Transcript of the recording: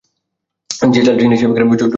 যেমন "জাল", "জিনিস", "জ্বর", ইত্যাদি।